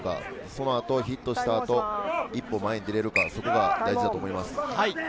そのあとヒットしたあと、一歩前に出られるか、そこが大事だと思います。